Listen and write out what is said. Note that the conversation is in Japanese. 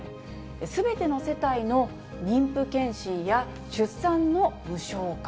すべての世帯の妊婦健診や出産の無償化。